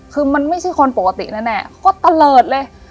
คือมันไม่ใช่คนปกติแน่เขาก็ตะเลิศเลย